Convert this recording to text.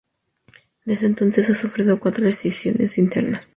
Desde entonces ha sufrido cuatro escisiones internas.